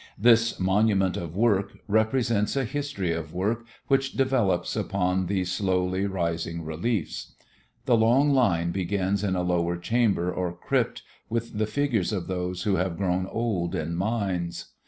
This "Monument of Work" represents a history of work which develops upon these slowly rising reliefs. The long line begins in a lower chamber or crypt with the figures of those who have grown old in mines.